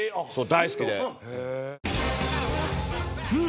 大好きで。